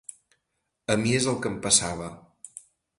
A mi és el que em passava.